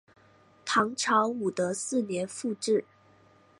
唐朝武德四年复置。